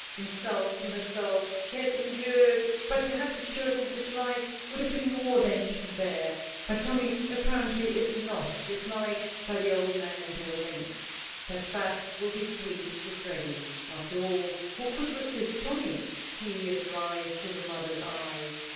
Insult to herself she had endured, but to have the children disliked would have been more than she could bear; bur Tommy, apparently, is not disliked by the old man at all events. That fact will be sweet to Freddy. After all, who could resist Tommy? Tears rise to the mother's eyes.